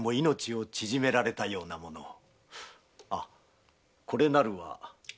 あこれなるは。